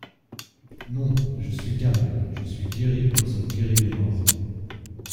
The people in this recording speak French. Non ! je suis calme, je suis guérie comme sont guéris les morts.